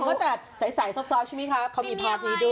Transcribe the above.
โป๊ะก็จะเห็นว่าแต่ใสซ้อใช่มั้ยครับเค้ามีพาร์ทนี้ด้วย